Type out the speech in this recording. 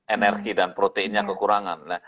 energi dan proteinnya kekurangan